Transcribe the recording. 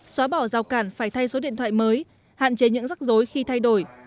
xóa bỏ rào cản phải thay số điện thoại mới hạn chế những rắc rối khi thay đổi